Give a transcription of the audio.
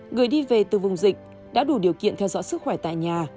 người đi về từ vùng dịch đã đủ điều kiện theo dõi sức khỏe tại nhà